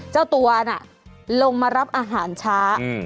เจ้าตัวน่ะลงมารับอาหารช้า